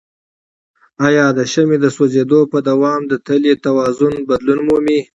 آیا د شمع د سوځیدو په دوام د تلې توازن بدلون مومي؟